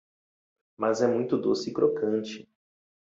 Mas é muito doce e crocante!